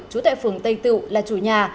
chú tại phường tây tựu là chủ nhà